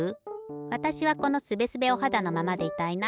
わたしはこのすべすべおはだのままでいたいな。